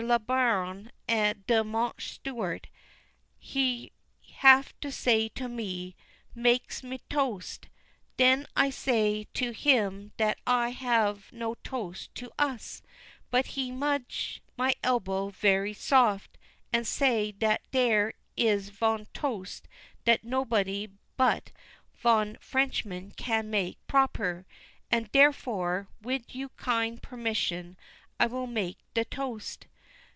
le Baron de Mount Stuart, he have say to me, 'Make de toast.' Den I say to him dat I have no toast to us; but he nudge my elbow ver soft, and say dat dere is von toast dat nobody but von Frenchman can make proper; and, derefore, wid you kind permission, I will make de toast.